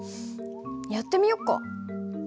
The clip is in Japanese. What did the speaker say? やってみよっか。